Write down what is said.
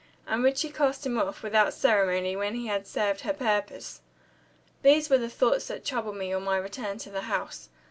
And would she cast him off, without ceremony, when he had served her purpose? These were the thoughts that troubled me on my return to the house.